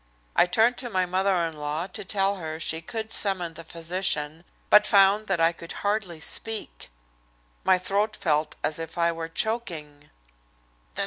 I turned to my mother in law to tell her she could summon the physician, but found that I could hardly speak. My throat felt as if I were choking.